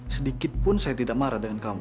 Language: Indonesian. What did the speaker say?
sedikit pun saya tidak marah dengan kamu